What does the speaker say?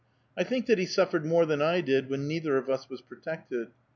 I think that he suffered more than I did, when neither of us was protected.